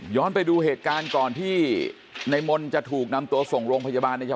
ย้อนไปดูเหตุการณ์ก่อนที่ในมนตร์จะถูกนำตัวส่งลงพยาบาล